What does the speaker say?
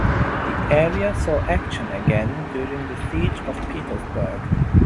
The area saw action again during the Siege of Petersburg.